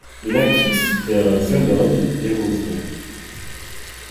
Une actrice et un jeune homme les rejoignent.